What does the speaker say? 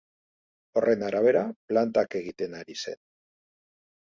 Horren arabera, plantak egiten ari zen.